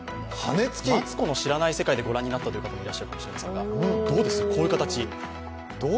「マツコの知らない世界」でご覧になったという方もいらっしゃるかと思いますがどうです、こういう形。